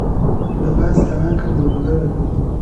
د لاس تڼاکه ملغلره ده.